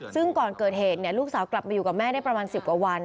ซึ่งก่อนเกิดเหตุลูกสาวกลับมาอยู่กับแม่ได้ประมาณ๑๐กว่าวัน